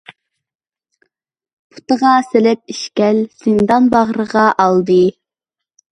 پۇتىغا سېلىپ ئىشكەل، زىندان باغرىغا ئالدى.